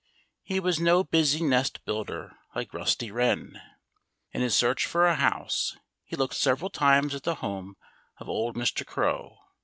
He was no busy nest builder, like Rusty Wren. In his search for a house he looked several times at the home of old Mr. Crow.